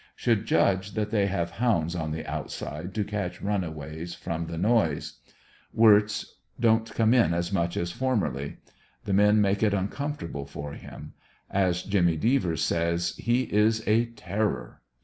Should judge that they have hounds on the outside to catch run aways, from the noise. Wirtz don't come in as much as formerly. The men make it uncomfortable for him As Jimmy Devers says, *'He is a ter ror."